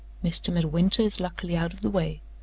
Mr. Midwinter is luckily out of the way.